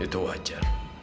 ya itu wajar